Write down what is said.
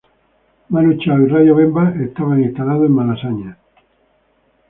Manu Chao y Radio Bemba estaban instalados en Malasaña.